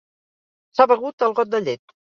S'ha begut el got de llet